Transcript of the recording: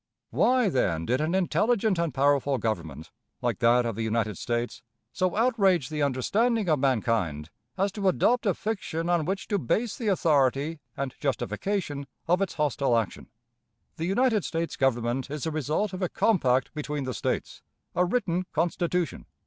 Why, then, did an intelligent and powerful Government, like that of the United States, so outrage the understanding of mankind as to adopt a fiction on which to base the authority and justification of its hostile action? The United States Government is the result of a compact between the States a written Constitution.